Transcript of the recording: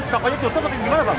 pokoknya tutup tapi gimana pak